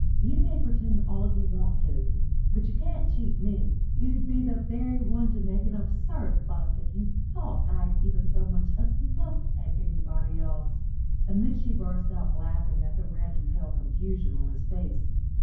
You may pretend all you want to, but you can't cheat me. You'd be the very one to make an absurd fuss if you thought I had even so much as looked at anybody else." And then she burst out laughing at the red and pale confusion of his face.